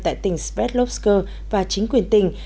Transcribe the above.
tại tỉnh svetlovske và chính quyền tỉnh